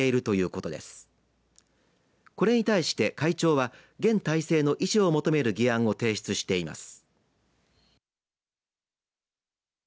これに対して会長は現体制の維持を求める議案を提出しています。